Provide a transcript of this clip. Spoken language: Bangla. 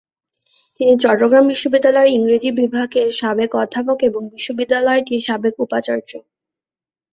তিনি চট্টগ্রাম বিশ্ববিদ্যালয়ের ইংরেজি বিভাগের সাবেক অধ্যাপক এবং বিশ্ববিদ্যালয়টির সাবেক উপাচার্য।